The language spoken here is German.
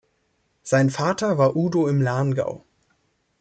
Sein Vater war Udo im Lahngau.